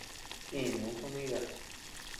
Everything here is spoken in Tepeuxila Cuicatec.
Inuu comida.